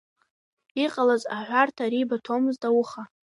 Иҟалаз аҳәарҭа рибаҭомызт ауха.